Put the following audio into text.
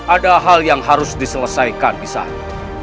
ada hal yang harus diselesaikan di sana